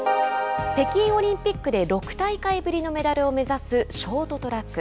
北京オリンピックで６大会ぶりのメダルを目指すショートトラック。